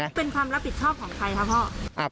เป็นความรับผิดชอบของใครคะพ่อ